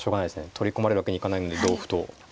取り込まれるわけにいかないので同歩と取る。